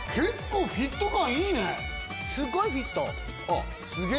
すごいフィット！